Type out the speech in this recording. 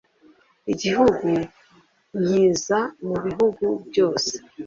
igihugu nkiza mubintu byose